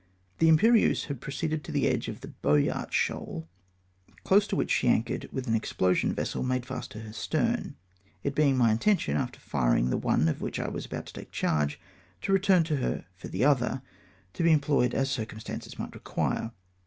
The Imperieuse had proceeded to the edge of the Boyart shoal, close to which she anchored with an ex plosion vessel made fiist to her stern, it being my in tention, after firing the one of which I was about to take charge, to return to her for the other, to be em ployed as circumstances might require.